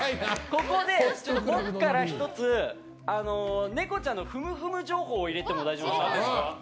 ここで、僕から１つネコちゃんのふむふむ情報を入れても大丈夫ですか。